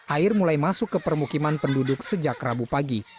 air mulai masuk ke permukiman penduduk sejak rabu pagi